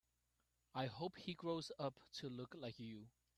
I hope he grows up to look like you.